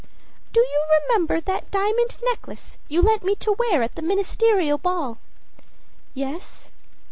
â âDo you remember that diamond necklace you lent me to wear at the ministerial ball?â âYes.